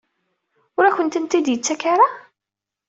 Ur akent-tent-id-yettak ara?